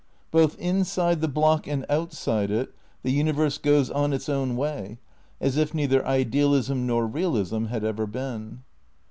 Both inside the block and outside it the universe goes on its own way as if neither idealism nor realism had ever been.